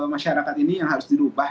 masyarakat ini yang harus dirubah